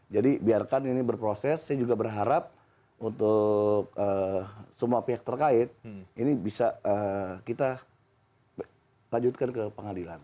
jadi biarkan ini berproses saya juga berharap untuk semua pihak terkait ini bisa kita lanjutkan ke pengadilan